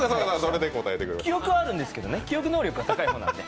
記憶はあるんですけど記憶能力は高い方なんで。